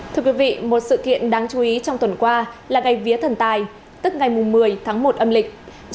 thưa quý vị một sự kiện đáng chú ý trong tuần qua là ngày vía thần tài tức ngày một mươi tháng một âm lịch